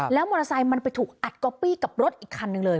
แล้วมอเตอร์ไซค์มันไปถูกอัดก๊อปปี้กับรถอีกคันนึงเลย